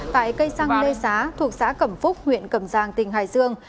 tại cây xăng lê xá thuộc xã cẩm phúc huyện cẩm giang tỉnh hải sương